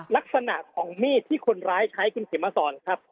ลักษณะของมีดที่คนร้ายใช้คุณเขมมาสอนครับ